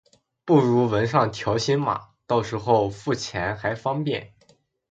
不如纹上条形码，到时候付钱还方便